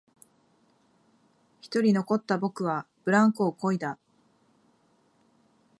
一人残った僕はブランコをこいだ